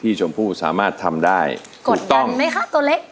ชมพู่สามารถทำได้กดต้องไหมคะตัวเล็ก